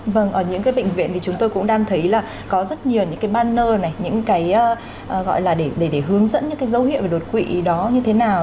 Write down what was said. vâng ở những cái bệnh viện thì chúng tôi cũng đang thấy là có rất nhiều những cái banner này những cái gọi là để hướng dẫn những cái dấu hiệu về đột quỵ đó như thế nào